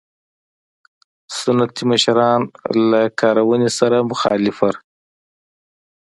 سنتي مشران له کارونې سره مخالف وو.